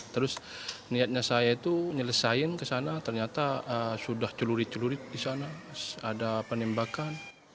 terus niatnya saya itu nyelesain ke sana ternyata sudah celuri celurit di sana ada penembakan